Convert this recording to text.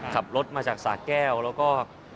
ขับรถมาจากสาแก้วแล้วก็